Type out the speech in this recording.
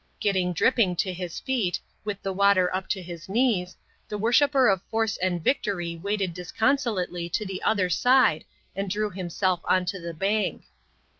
Getting dripping to his feet, with the water up to his knees, the worshipper of force and victory waded disconsolately to the other side and drew himself on to the bank.